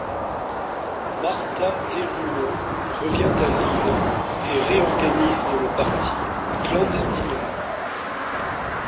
Martha Desrumaux revient à Lille et réorganise le Parti clandestinement.